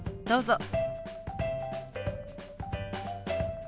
どうぞ。